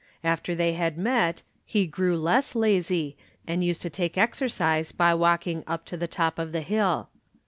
After they had met, he grew less lazy and used to take exercise by walking up to the top of the hill.